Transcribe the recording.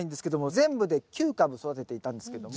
全部で９株育てていたんですけども。